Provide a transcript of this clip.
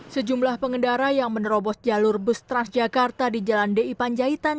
sejumlah pengendara yang menerobos jalur bus transjakarta di jalan di panjaitan